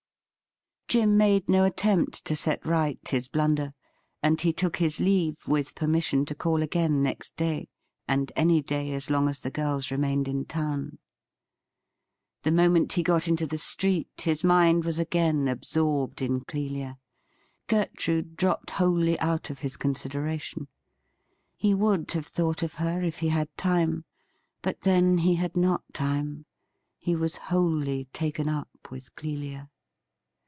Jim made no attempt to set right his blunder, and he took his leave, with permission to call again next day, and any day as long as the girls remained in town. The moment he got into the street his mind was again absorbed in Clelia. Gertrude dropped wholly out of his consideration. He would have thought of her, if he had time ; but then he had not time. He was wholly taken up with Clelia.